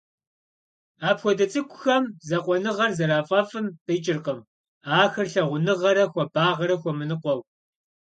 Апхуэдэ цӀыкӀухэм закъуэныгъэр зэрафӀэфӀым къикӀыркъым ахэр лъагъуныгъэрэ хуабагъэрэ хуэмыныкъуэу.